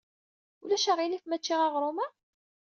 Ulac aɣilif ma cciɣ aɣrum-a?